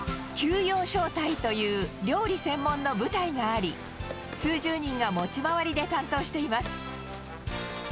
給養小隊という、料理専門の部隊があり、数十人が持ち回りで担当しています。